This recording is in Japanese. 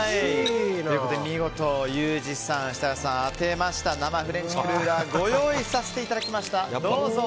見事ユージさん、設楽さん当てました生フレンチクルーラーご用意させていただきました。